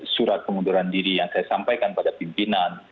surat pengunduran diri yang saya sampaikan pada pimpinan